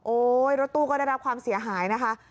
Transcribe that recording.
รถตู้ก็ได้รับความเสียหายนะคะ